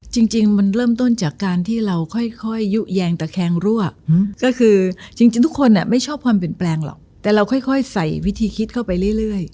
จริงมันเริ่มต้นจากการที่เราค่อยยุแยงตะแคงรั่วก็คือจริงทุกคนไม่ชอบความเปลี่ยนแปลงหรอกแต่เราค่อยใส่วิธีคิดเข้าไปเรื่อย